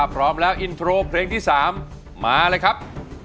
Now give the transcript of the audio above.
พร้อมแล้วอินโทรเพลงที่๓มาเลยครับ